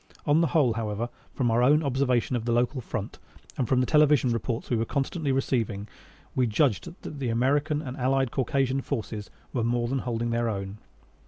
On the whole, however, from our own observation of the local front and from the television reports we were constantly receiving, we judged that the American and Allied Caucasian forces were more than holding their own.